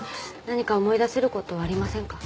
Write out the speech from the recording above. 何か思い出せることありませんか？